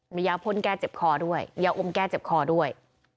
มียาพ่นแก้เจ็บคอด้วยยาอมแก้เจ็บคอด้วย